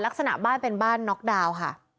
ลักษณะบ้านเป็นบ้านน็อกดาวน์ค่ะ